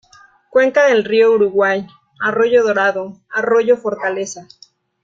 Cuenca del río Uruguay: arroyo Dorado, arroyo Fortaleza.